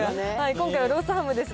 今回はロースハムです。